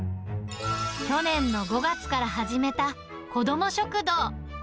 去年の５月から始めた子ども食堂。